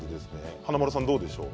華丸さん、どうでしょう？